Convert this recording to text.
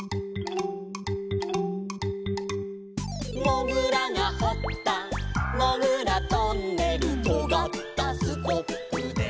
「もぐらがほったもぐらトンネル」「とがったスコップで」